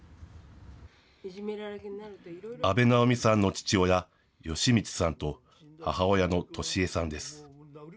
安部直美さんの父親、慶光さんと母親のとしえさんです。